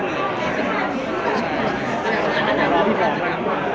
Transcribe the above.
ไม่เหมือนเรนาล่ะ